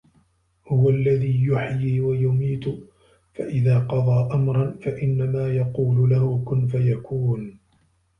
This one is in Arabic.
هُوَ الَّذي يُحيي وَيُميتُ فَإِذا قَضى أَمرًا فَإِنَّما يَقولُ لَهُ كُن فَيَكونُ